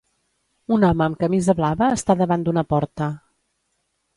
Un home amb camisa blava està davant d'una porta.